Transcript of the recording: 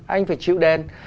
anh phải chịu đen